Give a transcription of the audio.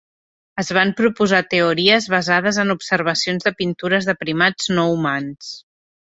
Es van proposar teories basades en observacions de pintures de primats no humans.